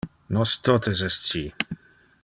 Nos tote es ci.